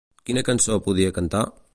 Quina cançó podia cantar?